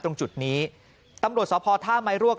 ตรงจุดนี้ตำรวจสพท่าไม้รวก